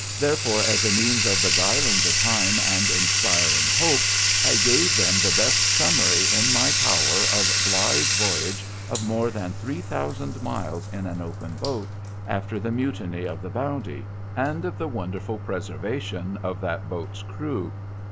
Therefore, as a means of beguiling the time and inspiring hope, I gave them the best summary in my power of Bligh's voyage of more than three thousand miles, in an open boat, after the Mutiny of the Bounty, and of the wonderful preservation of that boat's crew.